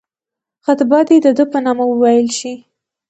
خطبه دي د ده په نامه وویل شي.